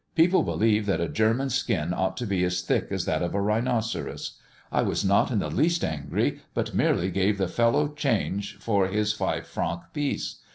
People believe that a German's skin ought to be as thick as that of a rhinoceros. I was not in the least angry, but merely gave that fellow change for his five franc piece.